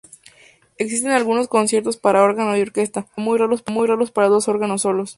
Existen algunos conciertos para órgano y orquesta, pero muy raros para dos órganos solos.